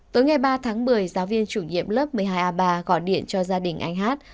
tối ngày ba tháng một mươi giáo viên chủ nhiệm lớp một mươi hai a ba gọi điện cho gia đình anh hát